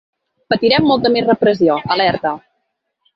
Patirem molta més repressió, alerta.